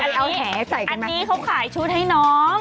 อันนี้เขาขายชุดให้น้อง